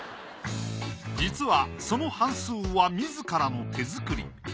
実はその半数は自らの手作り。